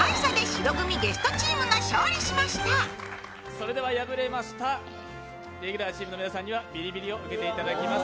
それでは敗れましたレギュラーチームの皆さんにはビリビリを受けていただきます。